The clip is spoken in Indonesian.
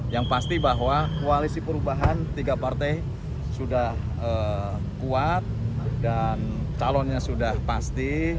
yang pasti bahwa koalisi perubahan tiga partai sudah kuat dan calonnya sudah pasti